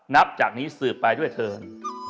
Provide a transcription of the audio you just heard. นับจากนี้สืบไปด้วยเถิน